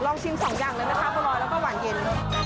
ลองชิมสองอย่างหนึ่งนะคะพอรอยแล้วก็หวานเย็น